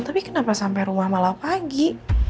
tapi kenapa sampai rumah malam pagi